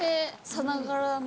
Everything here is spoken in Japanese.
さながら。